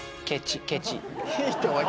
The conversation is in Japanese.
ケチ。